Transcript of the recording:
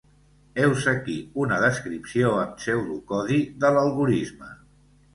Heus aquí una descripció en pseudocodi de l'algorisme.